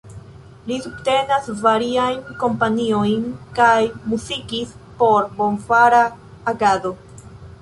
Li subtenas variajn kampanjojn kaj muzikis por bonfara agado.